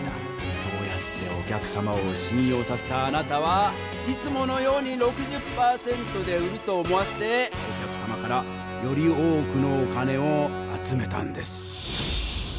そうやってお客様をしん用させたあなたはいつものように６０％で売ると思わせてお客様からより多くのお金を集めたんです。